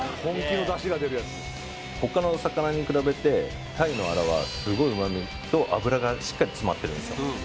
他の魚に比べて鯛のアラはすごい旨味と脂がしっかり詰まってるんですよ